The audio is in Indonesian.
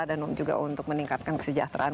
dan juga untuk meningkatkan kesejahteraan